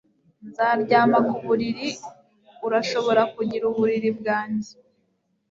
Nzaryama ku buriri Urashobora kugira uburiri bwanjye